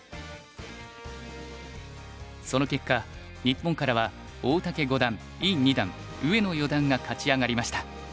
その結果日本からは大竹五段伊二段上野四段が勝ち上がりました。